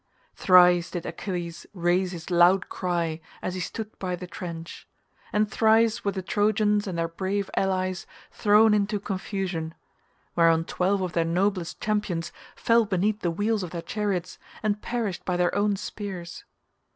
Thrice did Achilles raise his loud cry as he stood by the trench, and thrice were the Trojans and their brave allies thrown into confusion; whereon twelve of their noblest champions fell beneath the wheels of their chariots and perished by their own spears.